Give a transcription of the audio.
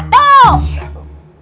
mau dikasih makan batu